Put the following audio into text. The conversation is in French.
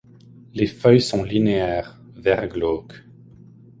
Les feuilles sont linéaires, vert glauque.